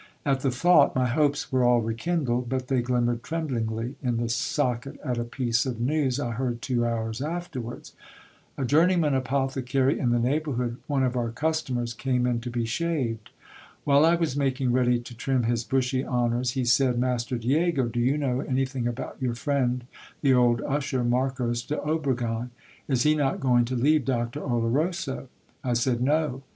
At the thought my hopes were all re kindled, but they glimmered tremblingly in the socket at a piece of news I heard two hours afterwards. A journeyman apothecary in the neighbour hood, one of our customers, came in to be shaved. While I was making ready to trim his bushy honours, he said — Master Diego, do you know anything about your friend, the old usher, Marcos de Obregon ? Is he not going to leave Doc tor Oloroso ? I said, No.